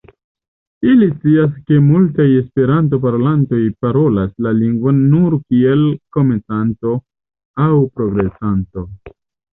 Ili scias ke multaj Esperanto-parolantoj parolas la lingvon nur kiel komencanto aŭ progresanto.